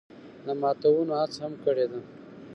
د ماتونو هڅه هم کړې ده